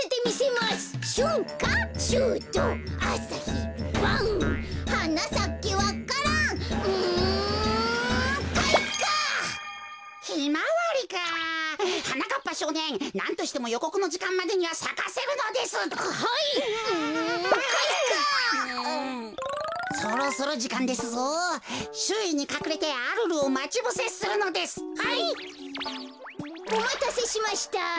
おまたせしました。